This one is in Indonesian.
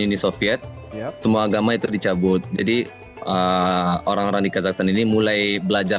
unisoviet setelah gama itu dicabut jadi orang orang di kazakhstan ini mulai belajar